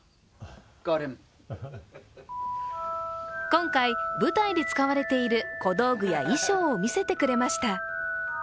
今回、舞台で使われている小道具や衣装を見せてくれました。